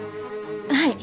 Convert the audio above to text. はい！